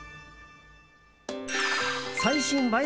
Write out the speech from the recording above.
最新映え